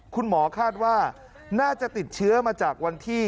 คุณหมอคาดว่าน่าจะติดเชื้อมาจากวันที่